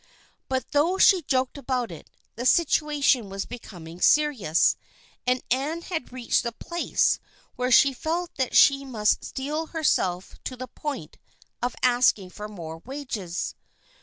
But though she joked about it, the situation was becoming serious, and Ann had reached the place where she felt that she must steel herself to the point of asking for more wages.